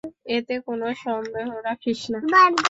এতে কোনো সন্দেহ রাখিস না।